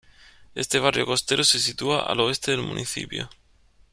Este barrio costero se sitúa al oeste del municipio.